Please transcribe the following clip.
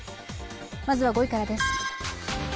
まずは５位からです。